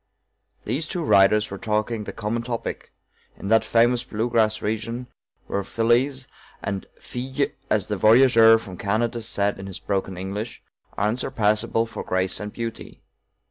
These two riders were talking the common topic in that famous Blue Grass region where fillies and fill es, as the voyageur from Canada said in his broken English, are unsurpassable for grace and beauty.